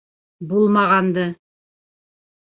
Булмағанды!